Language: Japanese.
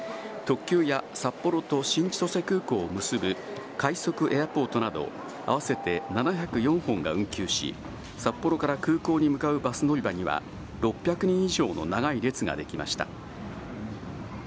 特急や札幌と新千歳空港を結ぶ快速エアポートなど、合わせて７０４本が運休し、札幌から空港に向かうバス乗り場には、６００人以上の長い列が出来ました。